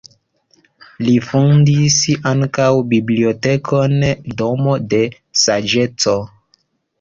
Li fondis ankaŭ bibliotekon Domo de saĝeco.